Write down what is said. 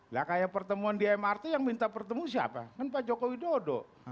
lah kayak pertemuan di mrt yang minta pertemu siapa kan pak jokowi dodo